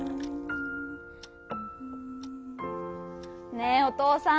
ねえおとうさん。